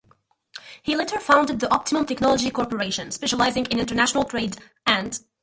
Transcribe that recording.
He later founded the Optimum Technology Corporation, specializing in international trade and business development.